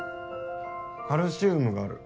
カルシウムがある。